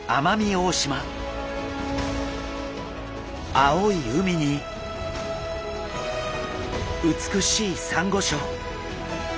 青い海に美しいサンゴ礁。